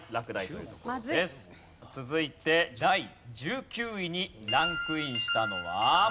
続いて第１９位にランクインしたのは。